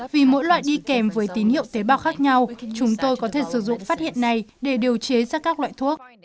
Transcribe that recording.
vì mỗi loại đi kèm với tín hiệu tế bào khác nhau chúng tôi có thể sử dụng phát hiện này để điều chế ra các loại thuốc